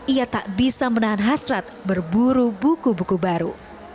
ia tak bisa menahan hasrat berburu buku buku baru